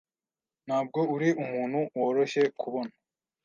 Ntabwo uri umuntu woroshye kubona.